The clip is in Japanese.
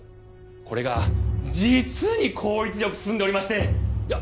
これが実に効率よく進んでおりましていや